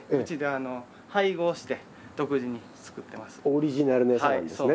オリジナルのやつなんですね。